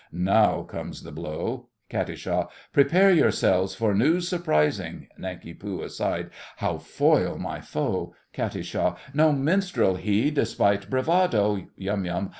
Now comes the blow! KAT. Prepare yourselves for news surprising! NANK. (aside). How foil my foe? KAT. No minstrel he, despite bravado! YUM.